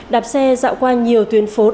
đạp xe dạo qua nhiều tuyến phố đẹp ở hà nội